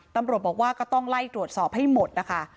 ตำรวจบอกว่าก็ต้องไล่ตรวจสอบให้หมดนะคะ